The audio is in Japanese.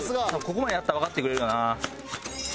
ここまでやったらわかってくれるかな。